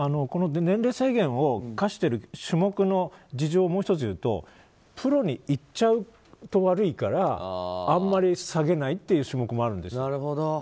年齢制限を課してる種目の事情をもう１つ言うとプロに行っちゃうと悪いからあんまり下げないという種目もあるんです。